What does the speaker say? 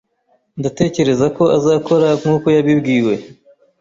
Ndatekereza ko azakora nkuko yabibwiwe.